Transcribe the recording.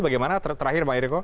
bagaimana terakhir pak eriko